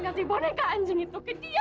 kasih boneka anjing itu ke dia